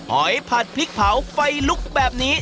หอยผัดพริกเผาไฟลุกแบบนี้